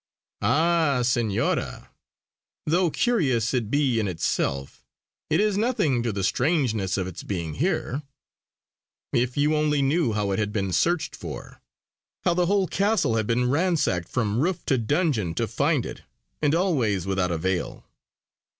"Ah, Senora, though curious it be in itself, it is nothing to the strangeness of its being here. If you only knew how it had been searched for; how the whole castle had been ransacked from roof to dungeon to find it, and always without avail.